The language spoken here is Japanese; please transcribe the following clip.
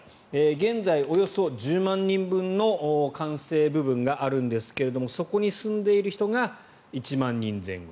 現在およそ１０万人分の完成部分があるんですがそこに住んでいる人が１万人前後。